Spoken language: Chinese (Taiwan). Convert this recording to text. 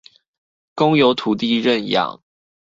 公有土地認養